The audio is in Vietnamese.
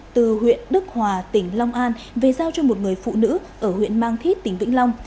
từ huyện đức hòa tỉnh long an về giao cho một người phụ nữ ở huyện mang thít tỉnh vĩnh long